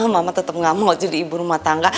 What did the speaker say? mama tetep nggak mau jadi ibu rumah tangga